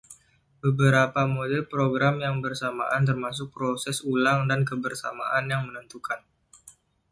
Beberapa model program yang bersamaan termasuk proses ulang dan kebersamaan yang menentukan.